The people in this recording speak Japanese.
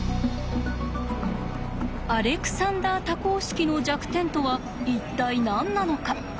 アレクサンダー多項式の弱点とは一体何なのか？